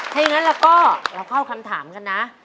เท่านั้นแล้วก็เราเข้าคำถามกันนะ